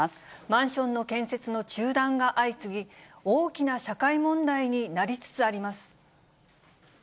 マンションの建設の中断が相次ぎ、大きな社会問題になりつつあります。